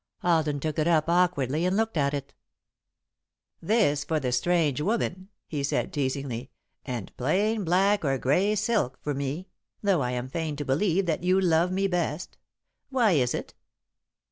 Alden took it up, awkwardly, and looked at it. [Sidenote: Tired and Unhappy] "This for the strange woman," he said, teasingly, "and plain black or grey silk for me, though I am fain to believe that you love me best. Why is it?"